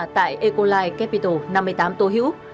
tại ecoline capital năm mươi tám tô hữu